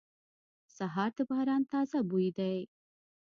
سهار د باران تازه بوی دی.